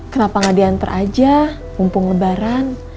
kenapa gak diantar aja mumpung lebaran